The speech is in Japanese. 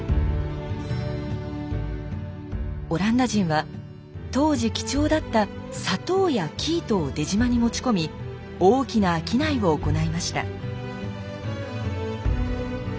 オランダ人は当時貴重だった砂糖や生糸を出島に持ち込み大きな商いを行いました。